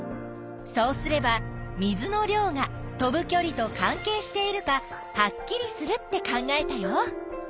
そうすれば「水の量」が飛ぶきょりと関係しているかはっきりするって考えたよ。